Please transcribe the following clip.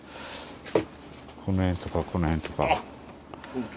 この辺とかこの辺とか。